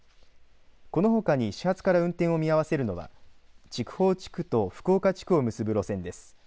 このほかに始発から運転を見合わせるのは筑豊地区と福岡地区を結ぶ路線です。